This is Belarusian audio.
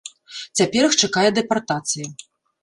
Цяпер іх чакае дэпартацыя.